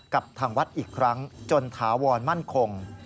กับทางวัดอีกครั้งจนถาวรมั่นคง